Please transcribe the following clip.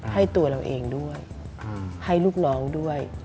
ให้ตัวเราเองด้วยให้ลูกน้องด้วย